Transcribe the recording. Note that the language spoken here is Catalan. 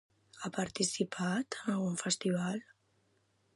Ha participat en algun festival?